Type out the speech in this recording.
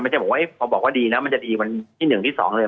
ไม่ใช่ว่าพอบอกว่าดีแล้วมันจะดีวันที่หนึ่งที่สองเลย